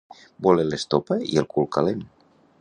Voler l'estopa i el cul calent.